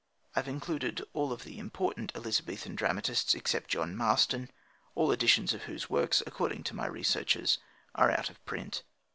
I have included all the important Elizabethan dramatists except John Marston, all the editions of whose works, according to my researches, are out of print.